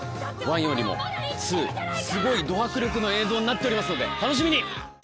１よりも２すごいド迫力の映像になっておりますので楽しみに！